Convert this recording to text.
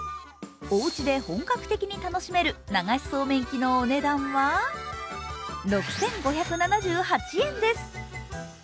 おうちで本格的に楽しめる流しそうめん機のお値段は６５７８円です。